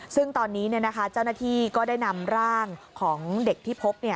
ซึ่งตอนนี้เจ้าหน้าที่ก็ได้นำร่างของเด็กที่พบ